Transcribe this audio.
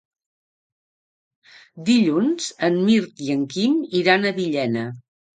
Dilluns en Mirt i en Quim iran a Villena.